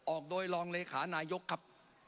ออกโดยรองเลขานายกครับ